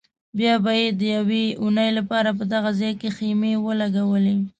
بیا به یې د یوې اونۍ لپاره په دغه ځای کې خیمې ولګولې.